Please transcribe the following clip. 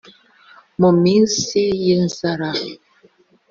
mu minsi y’inzara